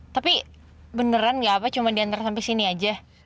tapi beneran gak apa cuma diantar sampai sini aja